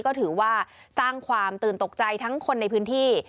ก็ถือว่าสร้างความตื่นตกใจทั้งคนในพื้นที่